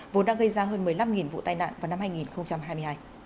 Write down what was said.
vốn đã gây ra hơn một mươi năm vụ tai nạn vào năm hai nghìn hai mươi hai